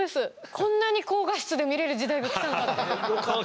こんなに高画質で見れる時代が来たのかと。